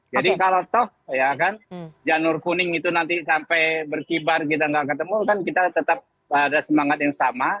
jadi kalau toh ya kan janur kuning itu nanti sampai berkibar kita gak ketemu kan kita tetap ada semangat yang sama